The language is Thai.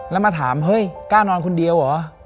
แล้วมาถามเฮ้ยกล้านอนคนเดียวเหรอ